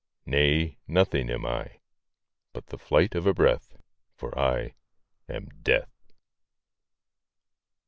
Nay; nothing am I, But the flight of a breath For I am Death!